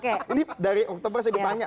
ini dari oktober saya ditanya